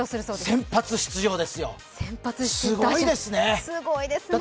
すごいですね。